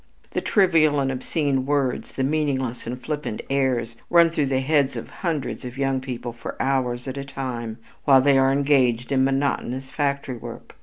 The trivial and obscene words, the meaningless and flippant airs run through the heads of hundreds of young people for hours at a time while they are engaged in monotonous factory work.